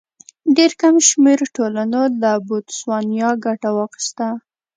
ډېر کم شمېر ټولنو لکه بوتسوانیا ګټه واخیسته.